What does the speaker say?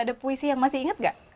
ada puisi yang masih ingat nggak